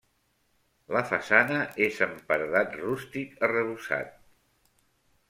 La façana és en paredat rústic arrebossat.